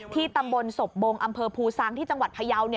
ตำบลศพบงอำเภอภูซางที่จังหวัดพยาว